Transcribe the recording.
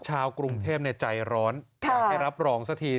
ชาวกรุงเทพใจร้อนอยากให้รับรองสักที